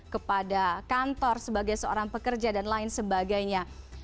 kepada kantor sebagai seorang pekerja dan lain sebagainya